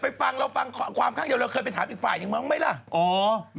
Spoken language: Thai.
ไม่ต้องถามแล้วพรุ่งนี้เห็นกันหมดน่ะ